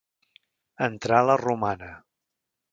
Entrar la romana.